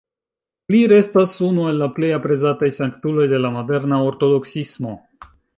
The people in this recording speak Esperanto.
Li restas unu el la plej aprezataj sanktuloj de la moderna Ortodoksismo.